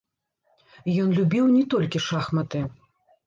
Ён любіў не толькі шахматы.